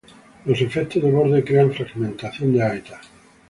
Los efectos de borde crean fragmentación de hábitats.